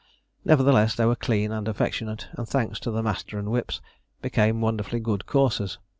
Nevertheless, they were clean and affectionate, and, thanks to the master and whips, became wonderfully good coursers.